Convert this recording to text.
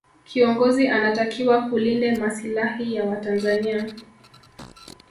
kiongozi anatakiwa kulinde masilahi ya watanzania